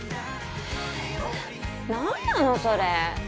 え何なのそれ！